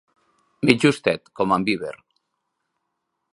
Mig justet, com en Beaver.